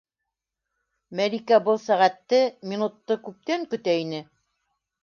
Мәликә был сәғәтте, минутты күптән көтә ине.